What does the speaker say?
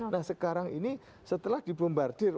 nah sekarang ini setelah dibombardir